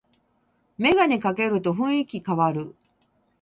メガネかけると雰囲気かわる